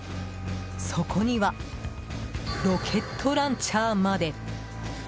そこにはロケットランチャーまで。